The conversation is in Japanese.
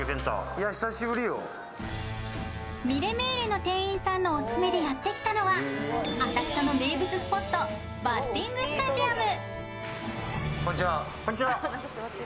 ｍｉｌｌｅｍｅｌｅの店員さんのオススメでやってきたのは、浅草の名物スポット、バッティングスタジアム。